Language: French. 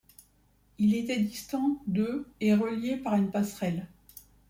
Ils étaient distants de et reliés par une passerelle.